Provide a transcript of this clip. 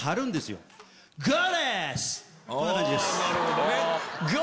こんな感じです。